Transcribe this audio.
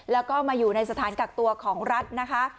แล้วก็มาอยู่ในสถานกักตัวของรัฐนะคะ